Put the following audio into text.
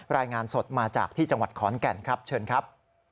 รายงานสดมาจากที่จังหวัดขอนแก่นครับเชิญครับ